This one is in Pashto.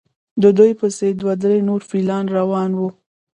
د دوی پسې دوه درې نور فیلان روان وو.